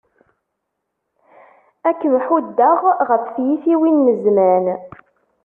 Ad kem-ḥuddeɣ ɣef tyitwin n zzman.